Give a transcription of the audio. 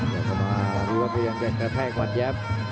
ดีกว่าก็ยังจะแท่กวัดแยบ